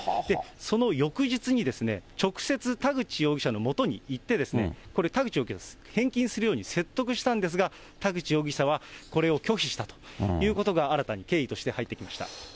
その翌日に、直接、田口容疑者のもとに行って、田口容疑者に返金するように説得したんですが、田口容疑者はこれを拒否したということが、新たに経緯として入ってきました。